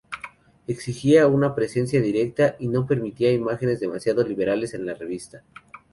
Exigía una presencia discreta y no permitía imágenes demasiado liberales en la revista.